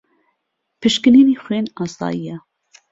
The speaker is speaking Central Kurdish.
پشکنینی خوێن ئاسایییە.